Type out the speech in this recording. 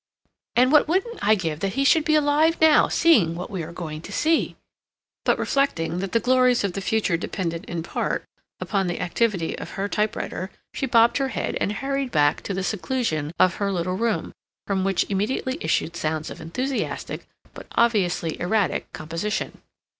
And what wouldn't I give that he should be alive now, seeing what we're going to see—" but reflecting that the glories of the future depended in part upon the activity of her typewriter, she bobbed her head, and hurried back to the seclusion of her little room, from which immediately issued sounds of enthusiastic, but obviously erratic, composition.